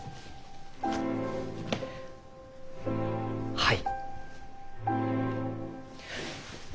はい。